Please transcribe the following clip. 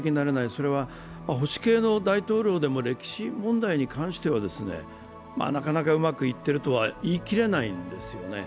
それは保守系の大統領でも歴史問題に関しては、なかなかうまくいっているとは言い切れないんですよね。